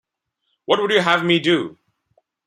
What would you have me do?